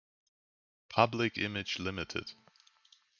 Public Image Ltd.